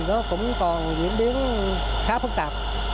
nó cũng còn diễn biến khá phức tạp